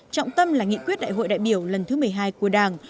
trọng tâm là nghị quyết đại hội đại biểu lần thứ một mươi hai của đảng